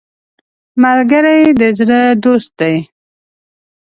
ملګری د زړه دوست دی